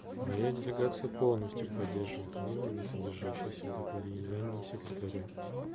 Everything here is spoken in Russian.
Моя делегация полностью поддерживает выводы, содержащиеся в докладе Генерального секретаря.